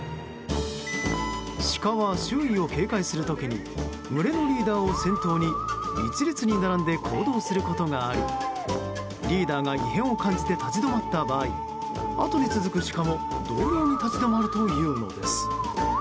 シカは周囲を警戒する時に群れのリーダーを先頭に１列に並んで行動することがありリーダーが異変を感じて立ち止まった場合あとに続くシカも同様に立ち止まるというのです。